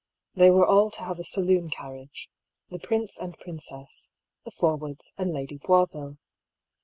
They were all to have a saloon carriage — the prince and princess, the Forwoods, and Lady Boisville.